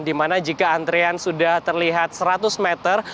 di mana jika antrian sudah terlihat seratus meter